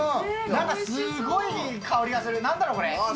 なんかすごいいい香りがする、なんだろ、これ。